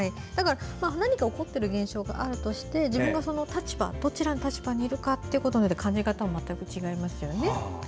だから、何か起こっている現象があるとして自分がどちらの立場にいるかで感じ方は全く違いますよね。